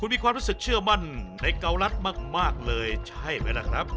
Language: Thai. มีความรู้สึกเชื่อมั่นในเการัฐมากเลยใช่ไหมล่ะครับ